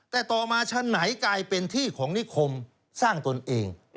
แต่ต่อมาชั้นไหนกลายเป็นที่ของนิคมสร้างตนเอง